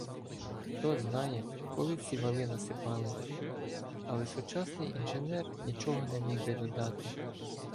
Хто знає, коли ці вали насипали, але сучасний інженер нічого не міг би додати.